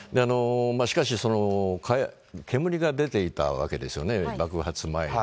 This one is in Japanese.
しかし、煙が出ていたわけですよね、爆発前に。